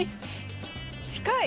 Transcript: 近い！